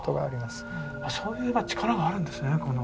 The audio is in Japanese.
そういう力があるんですね